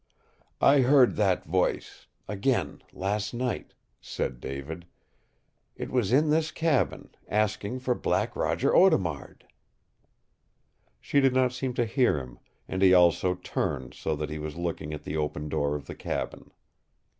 "I heard that voice again last night," said David. "It was in this cabin, asking for Black Roger Audemard." She did not seem to hear him, and he also turned so that he was looking at the open door of the cabin.